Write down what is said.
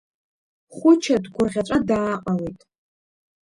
Хәыча дгәырӷьаҵәа дааҟалеит.